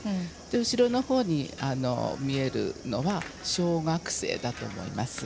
後ろの方に見えるのは小学生だと思います。